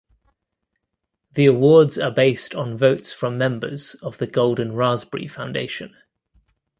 The awards are based on votes from members of the Golden Raspberry Foundation.